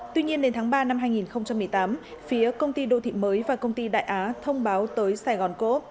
tuy nhiên đến tháng ba năm hai nghìn một mươi tám phía công ty đô thị mới và công ty đại á thông báo tới sài gòn cố